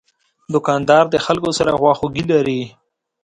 دوکاندار د خلکو سره خواخوږي لري.